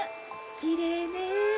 きれいね。